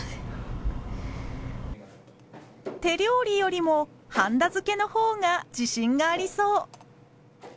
手料理よりもはんだ付けの方が自信がありそう。